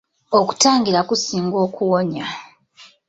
Okutangira kusinga okuwonya.